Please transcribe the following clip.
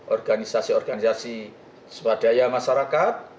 organisasi organisasi swadaya masyarakat